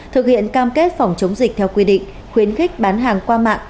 thực hiện cam kết phòng chống dịch theo quy định khuyến khích bán hàng qua mạng mang đi